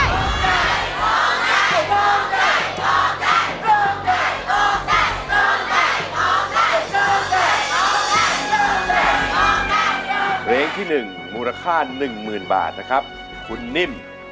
โครงใจโครงใจโครงใจโครงใจ